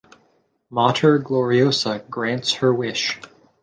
"Mater Gloriosa" grants her wish.